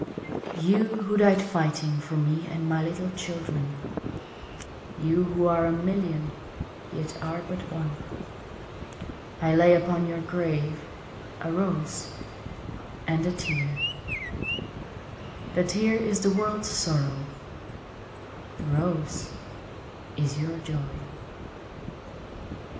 YOU who died fighting For me and my little children; You who are a million Yet are but one, I lay upon your grave A rose and a tear The tear is the world's sorrow, The rose is your joy.